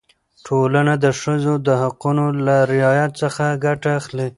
ټولنه د ښځو د حقونو له رعایت څخه ګټه اخلي.